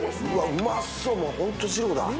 うまそう、ホント二郎だ。